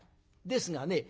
ですがね